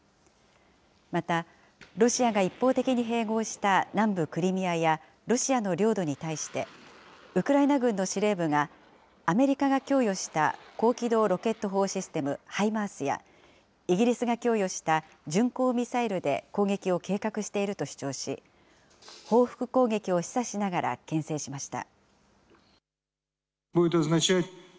また、ロシアが一方的に併合した南部クリミアやロシアの領土に対して、ウクライナ軍の司令部がアメリカが供与した高機動ロケット砲システム・ハイマースや、イギリスが供与した巡航ミサイルで攻撃を計画していると主張し、報復攻撃を示唆しながらけん制しました。